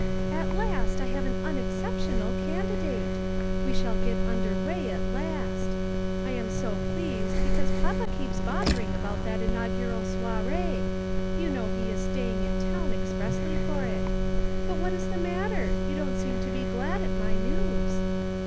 "At last I have an unexceptional candidate. We shall get under weigh at last. I am so pleased because papa keeps bothering about that inaugural soirée. You know he is staying in town expressly for it. But what is the matter? You don't seem to be glad at my news."